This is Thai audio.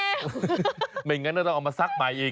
ไม่งั้นก็ต้องเอามาซักใหม่อีก